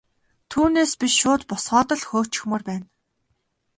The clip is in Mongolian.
Түүнээс биш шууд босгоод л хөөчихмөөр байна.